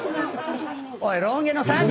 おいロン毛の３３歳。